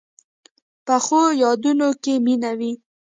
پخو یادونو کې مینه وي